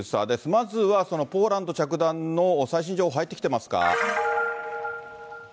まずはそのポーランド着弾の最新情報、入ってきてますか？